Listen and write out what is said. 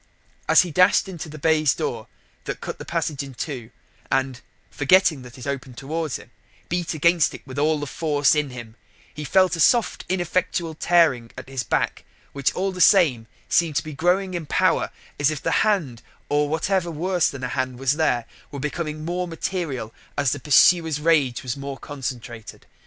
As he dashed into the baize door that cut the passage in two, and forgetting that it opened towards him beat against it with all the force in him, he felt a soft ineffectual tearing at his back which, all the same, seemed to be growing in power, as if the hand, or whatever worse than a hand was there, were becoming more material as the pursuer's rage was more concentrated.